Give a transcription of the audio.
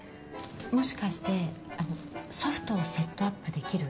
もしかしてソフトをセットアップできる？